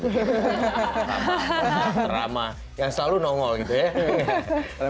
drama yang selalu nongol gitu ya